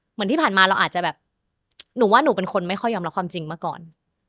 เหมือนที่ผ่านมาเราอาจจะแบบหนูว่าหนูเป็นคนไม่ค่อยยอมรับความจริงมาก่อน